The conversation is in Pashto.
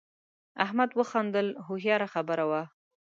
احمد وخندل هوښیاره خبره وه.